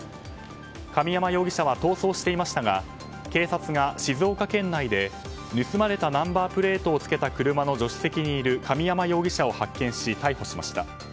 神山容疑者は逃走していましたが警察が静岡県内で、盗まれたナンバープレートを付けた車の助手席にいる神山容疑者を発見し逮捕しました。